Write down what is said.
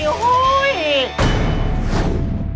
โอ้โฮย